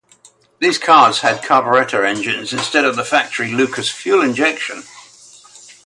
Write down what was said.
These cars had carburetor engines instead of the factory Lucas fuel injection.